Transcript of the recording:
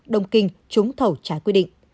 đồng kinh trúng thẩu trái quy định